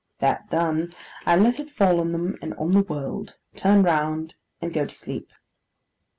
That done, I let it fall on them, and on the world: turn round: and go to sleep.